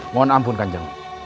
mohon ampun kanjeng